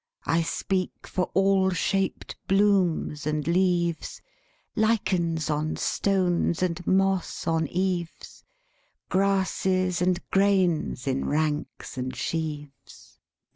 I speak for all shaped blooms and leaves, Lichens on stones and moss on eaves, Grasses and grains in ranks and sheaves; 1 The extracts on pp.